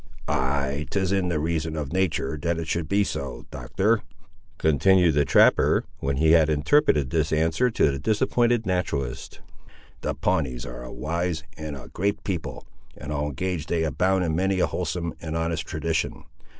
"Ay, 'tis in the reason of natur' that it should be so, Doctor," continued the trapper, when he had interpreted this answer to the disappointed naturalist. "The Pawnees are a wise and a great people, and I'll engage they abound in many a wholesome and honest tradition.